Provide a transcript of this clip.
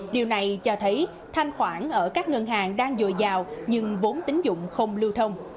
điều này cho thấy thanh khoản ở các ngân hàng đang dồi dào nhưng vốn tính dụng không lưu thông